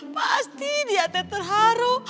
pasti dia teh terharu